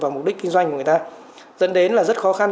và mục đích kinh doanh của người ta dẫn đến là rất khó khăn